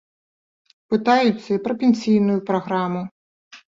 Пытаюцца і пра пенсійную праграму.